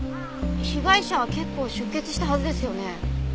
被害者は結構出血したはずですよね。